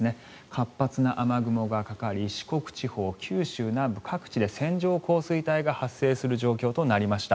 活発な雨雲がかかり四国地方、九州南部各地で線状降水帯が発生する状況となりました。